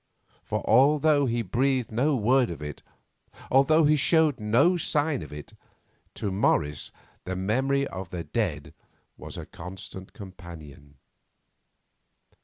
For although he breathed no word of it, although he showed no sign of it, to Morris the memory of the dead was a constant companion.